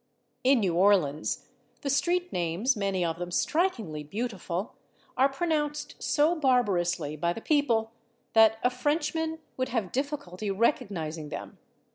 In New Orleans the street names, many of them strikingly beautiful, are pronounced so barbarously by the people that a Frenchman would have difficulty recognizing them.